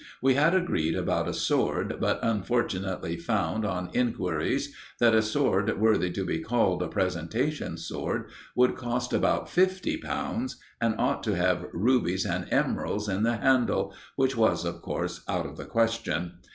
We had agreed about a sword, but unfortunately found, on inquiries, that a sword worthy to be called a presentation sword would cost about fifty pounds, and ought to have rubies and emeralds in the handle, which was, of course, out of the question.